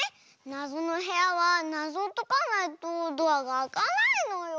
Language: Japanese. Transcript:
なぞのへやはなぞをとかないとドアがあかないのよ。